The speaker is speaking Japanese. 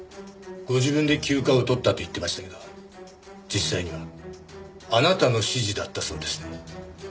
ご自分で休暇を取ったって言ってましたけど実際にはあなたの指示だったそうですね？